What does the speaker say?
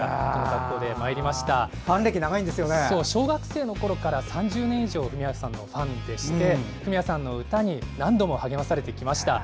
小学生のころから３０年以上ファンでしてフミヤさんの歌に何度も励まされてきました。